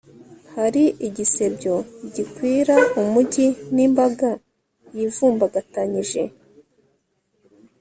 hari igisebyo gikwira umugi n'imbaga yivumbagatanyije